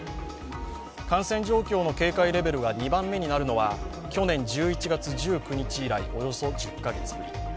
感染状況の警戒レベルが２番目になるのは去年１１月１９日以来およそ１０カ月ぶり。